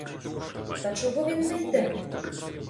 Та чого він не йде?